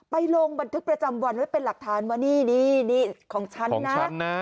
ลงบันทึกประจำวันไว้เป็นหลักฐานว่านี่นี่ของฉันนะ